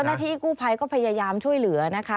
ตอนนั้นที่กู้ไพก็พยายามช่วยเหลือนะคะ